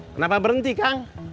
kenapa berhenti kang